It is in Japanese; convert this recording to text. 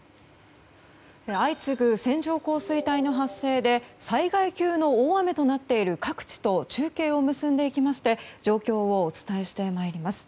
相次ぐ線状降水帯の発生で災害級の大雨となっている各地と中継を結んで状況をお伝えしてまいります。